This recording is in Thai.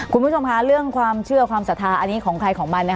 คุณผู้ชมคะเรื่องความเชื่อความศรัทธาอันนี้ของใครของมัน